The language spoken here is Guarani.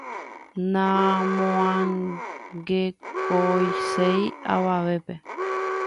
Namoangekoiséi avavépe.